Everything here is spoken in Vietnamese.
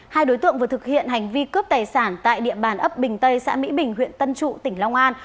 hai đối tượng vừa thực hiện hành vi cướp tài sản tại địa bàn ấp bình tây xã mỹ bình huyện tân trụ tỉnh long an